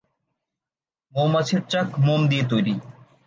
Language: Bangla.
মৌমাছির চাক মোম দিয়ে তৈরী।